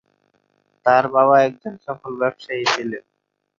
তাঁর বাবা একজন সফল ব্যবসায়ী ছিলেন।